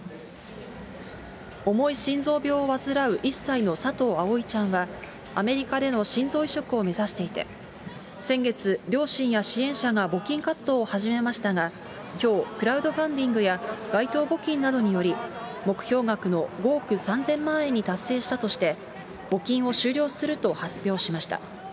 重い心臓病を患う１歳の佐藤葵ちゃんは、アメリカでの心臓移植を目指していて、先月、両親や支援者が募金活動を始めましたが、きょう、クラウドファンディングや街頭募金などにより、目標額の５億３０００万円に達成したとして、募金を終了すると発表しました。